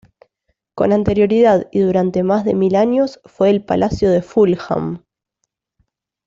Con anterioridad y durante más de mil años, fue el Palacio de Fulham.